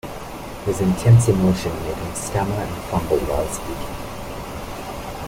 His intense emotion made him stammer and fumble while speaking.